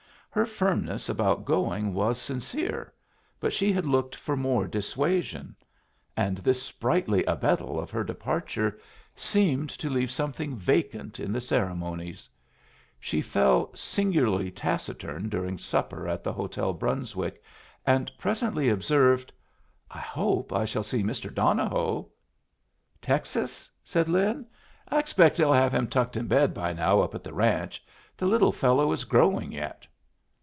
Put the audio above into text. Her firmness about going was sincere, but she had looked for more dissuasion; and this sprightly abettal of her departure seemed to leave something vacant in the ceremonies She fell singularly taciturn during supper at the Hotel Brunswick, and presently observed, "I hope I shall see Mr. Donohoe." "Texas?" said Lin. "I expect they'll have tucked him in bed by now up at the ranch. The little fellow is growing yet."